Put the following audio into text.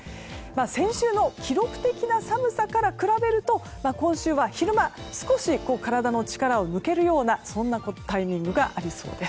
先週の記録的な寒さから比べると今週は昼間少し体の力を抜けるようなそんなタイミングがありそうです。